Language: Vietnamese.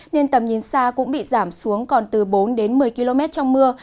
nên tầm nhìn xa cũng bị giảm xuống còn từ bốn đến một mươi km trong mưa